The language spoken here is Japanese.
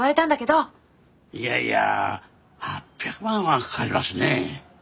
いやいや８００万はかかりますね。